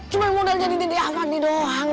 cuma modal jadi dede afandi doang